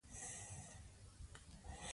ماشومان د لوبو له لارې د فشار کمښت تجربه کوي.